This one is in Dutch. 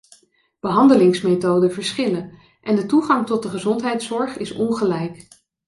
Behandelingsmethoden verschillen en de toegang tot de gezondheidszorg is ongelijk.